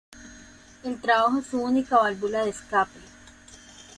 El trabajo es su única válvula de escape.